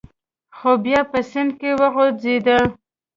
خر بیا په سیند کې وغورځید.